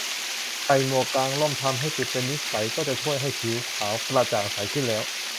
ใส่หมวก กางร่ม ทำให้ติดเป็นนิสัยก็จะช่วยให้ผิวขาวกระจ่างใสขึ้นแล้ว